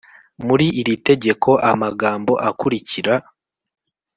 Muri iri tegeko amagambo akurikira